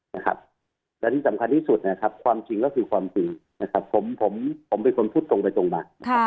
และที่สำคัญที่สุดความจริงก็คือความจริงผมเป็นคนพูดตรงไปตรงมา